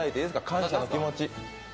感謝の気持ち